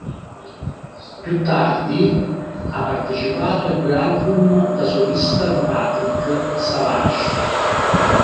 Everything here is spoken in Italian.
Più tardi ha partecipato ai due album da solista di Patrick Savage.